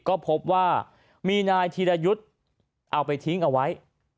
ก็พบว่ามีนายธีรยุทธ์เอาไปทิ้งเอาไว้